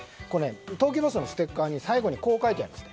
東急バスのステッカーに最後にこう書いてあります。